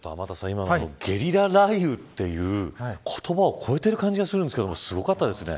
今のゲリラ雷雨っていう言葉を超えている感じがするんですけどすごかったですね。